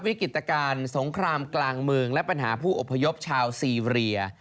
วิกฤตการณ์สงครามกลางเมืองและปัญหาผู้อพยพชาวซีเรีย